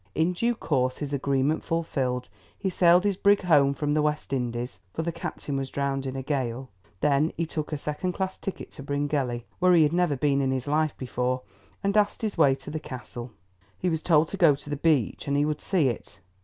In due course, his agreement fulfilled, he sailed his brig home from the West Indies (for the captain was drowned in a gale). Then he took a second class ticket to Bryngelly, where he had never been in his life before, and asked his way to the Castle. He was told to go to the beach, and he would see it.